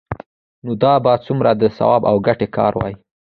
نو دا به څومره د ثواب او ګټې کار وي؟